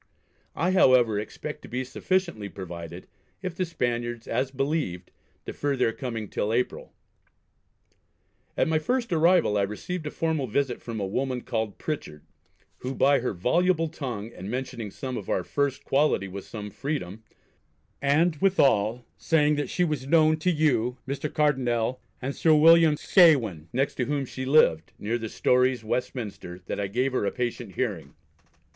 I, however, expect to be sufficiently provided, if the Spaniards, as believed, defer their coming till April. At my first arrival I received a formal visit from a woman called Pritchard, who by her voluble tongue, and mentioning some of our first quality with some freedom, and, withal, saying that she was known to you, Mr. Cardonnel, and Sir William Scawen, next to whom she lived, near the Storey's Westminster, that I gave her a patient hearing.